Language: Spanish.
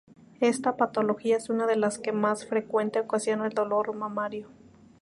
Esta patología es una de las que más frecuente ocasiona el dolor mamario.